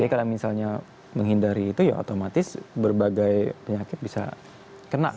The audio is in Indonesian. jadi kalau misalnya menghindari itu ya otomatis berbagai penyakit bisa kena